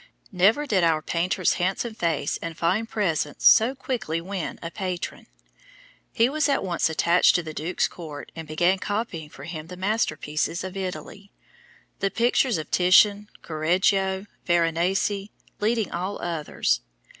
Never did our painter's handsome face and fine presence so quickly win a patron. He was at once attached to the Duke's court and began copying for him the masterpieces of Italy the pictures of Titian, Correggio, Veronese, leading all others.